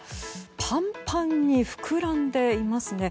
パンパンに膨らんでいますね。